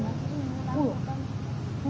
năm tám nghìn một cân hả